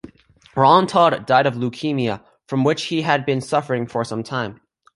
Ron Todd died of leukaemia, from which he had been suffering for some time.